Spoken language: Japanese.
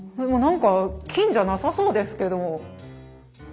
何か金じゃなさそうですけども。